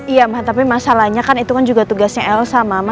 iya tapi masalahnya kan itu kan juga tugasnya elsa mama